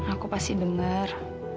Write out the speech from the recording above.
aku pasti denger